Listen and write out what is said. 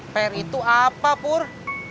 fair itu apa pur